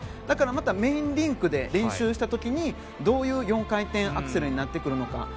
だからまたメインリンクで練習した時にどういう４回転アクセルになってくるのか。